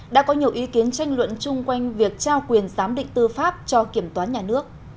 đã có nhiều ý kiến tranh luận chung quanh việc trao quyền giám định tư pháp cho kiểm toán nhà nước